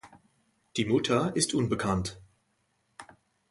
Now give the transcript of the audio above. Die Mutter ist unbekannt.